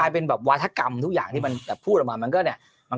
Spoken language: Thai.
เป็นแบบวาธกรรมทุกอย่างที่มันแบบพูดออกมามันก็เนี่ย